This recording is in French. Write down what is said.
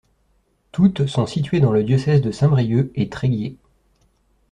Toutes sont situées dans le diocèse de Saint-Brieuc et Tréguier.